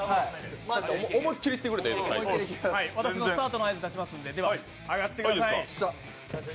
私がスタートの合図を出しますので上がってください。